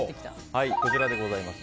こちらでございます。